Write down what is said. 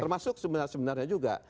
termasuk sebenarnya juga